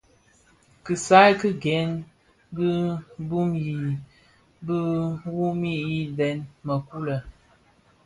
Kisai ki gen dhi bhoo yi biwumi yidèň mëkuu lè.